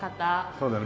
そうだよね。